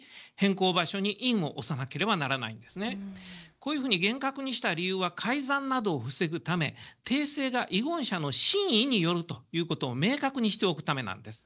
こういうふうに厳格にした理由は改ざんなどを防ぐため訂正が遺言者の真意によるということを明確にしておくためなんです。